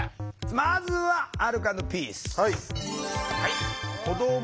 まずはアルコ＆ピース！